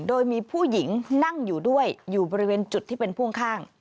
โดยมีผู้หญิงนั่งอยู่ด้วยอยู่บริเวณจุดที่เป็นพ่วงข้าง